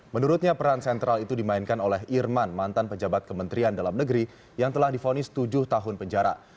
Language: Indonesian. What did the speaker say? menurutnya peran sentral itu dimainkan oleh irman mantan pejabat kementerian dalam negeri yang telah difonis tujuh tahun penjara